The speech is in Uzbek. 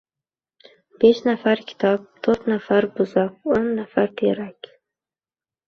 Besh nafar kitob, toʻrt nafar buzoq, oʻn nafar terak